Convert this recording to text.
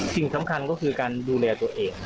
สิ่งสำคัญก็คือการดูแลตัวเอง